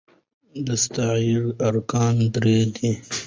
د استعارې ارکان درې دي.